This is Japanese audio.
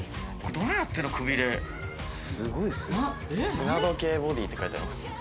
「砂時計ボディ」って書いてありますね。